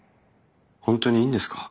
本当にいいんですか？